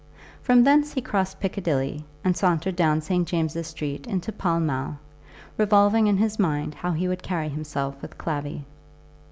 From thence he crossed Piccadilly, and sauntered down St. James's Street into Pall Mall, revolving in his mind how he would carry himself with Clavvy.